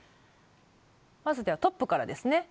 まずではトップからですね。